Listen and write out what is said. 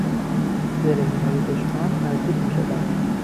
زرهیهای دشمن نزدیک میشدند.